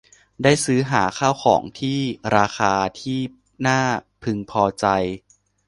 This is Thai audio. ได้ซื้อหาข้าวของมีราคาที่น่าพึงพอใจ